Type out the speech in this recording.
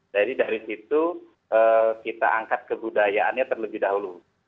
jadi dari situ kita angkat kebudayaannya terlebih dahulu